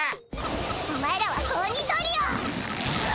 お前らは子鬼トリオ！